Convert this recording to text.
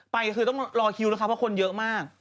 ไปคือต้องรอคิวนะคะเพราะคนเยอะมาก